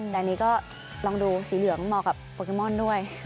แต่อันนี้ก็ลองดูสีเหลืองเหมาะกับโปเกมอนด้วย